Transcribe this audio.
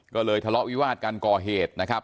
ก็เลยทะเลาะวิวาดกันก่อเหตุนะครับ